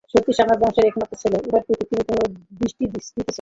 সতীশ আমার বংশের একমাত্র ছেলে, উহার প্রতি তুমি কেন দৃষ্টি দিতেছ।